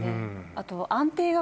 あと。